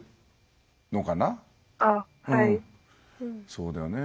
そうだよね。